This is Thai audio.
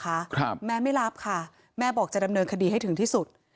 ครับแม่ไม่รับค่ะแม่บอกจะดำเนินคดีให้ถึงที่สุด